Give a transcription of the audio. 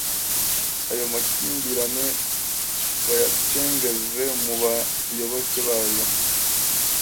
Ayo makimbirane bayacengeje mu bayoboke bayo.